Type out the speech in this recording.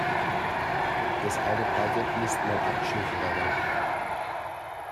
Das alte Parkett müsste Mal abgeschliffen werden.